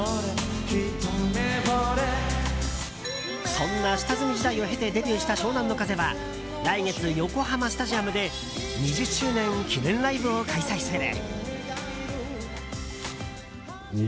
そんな下積み時代を経てデビューした湘南乃風は来月、横浜スタジアムで２０周年記念ライブを開催する。